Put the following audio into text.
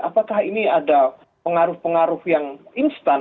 apakah ini ada pengaruh pengaruh yang instan